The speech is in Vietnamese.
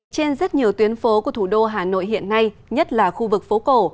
trên rất nhiều tuyến phố của thủ đô hà nội hiện nay nhất là khu vực phố cổ